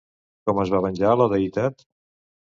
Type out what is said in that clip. Com es va venjar, la deïtat?